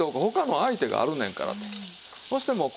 他の相手があるねんからって。